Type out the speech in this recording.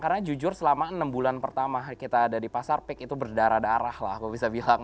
karena jujur selama enam bulan pertama kita ada di pasar peak itu berdarah darah lah aku bisa bilang